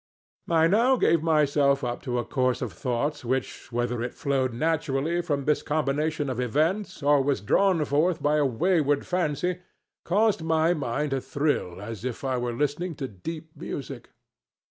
I now gave myself up to a course of thought which, whether it flowed naturally from this combination of events or was drawn forth by a wayward fancy, caused my mind to thrill as if I were listening to deep music.